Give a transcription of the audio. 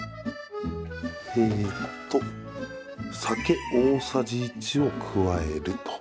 えーと酒、大さじ１を加えると。